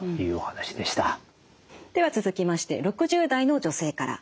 では続きまして６０代の女性から。